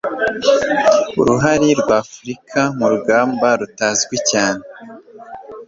Uruhare rw'Afurika mu rugamba rutazwi cyane